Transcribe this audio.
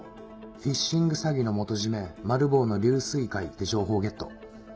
フィッシング詐欺の元締マル暴の龍翠会って情報をゲット。